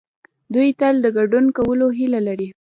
دوی تل د ګډون کولو هيله لري.